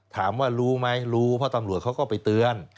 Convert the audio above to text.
ถามว่ารู้ไหมรู้เพราะตำรวจเขาก็ไปเตือน